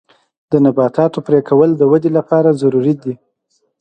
د نباتاتو پرې کول د ودې لپاره ضروري دي.